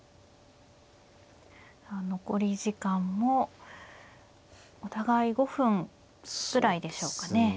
さあ残り時間もお互い５分ぐらいでしょうかね。